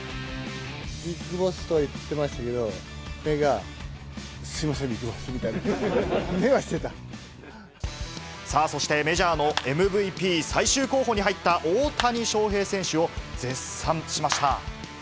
ビッグボスとは言ってましたけど、目が、すみません、さあ、そしてメジャーのＭＶＰ最終候補に入った大谷翔平選手を絶賛しました。